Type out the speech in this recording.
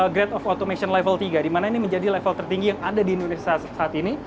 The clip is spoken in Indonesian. grade of automation level tiga di mana ini menjadi level tertinggi yang ada di indonesia saat ini